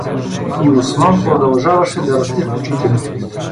И Осман продължаваше да расте в очите му.